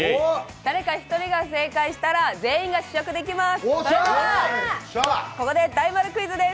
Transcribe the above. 誰か一人が正解したら全員が試食できます。